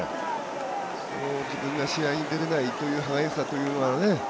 試合に出れないという歯がゆさというのはね